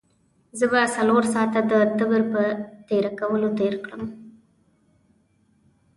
زه به څلور ساعته د تبر په تېره کولو تېر کړم.